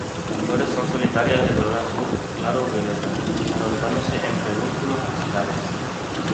Las flores son solitarias de color azul claro o violeta agrupándose en pedúnculos axilares.